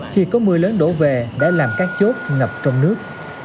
khi có mưa lớn đổ về đã làm các chốt ngập trong nước